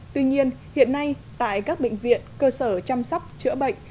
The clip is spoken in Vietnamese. tuy nhiên hiện nay tại các bệnh viện cơ sở chăm sóc chữa bệnh